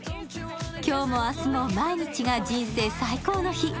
今日も明日も毎日が人生最高の日。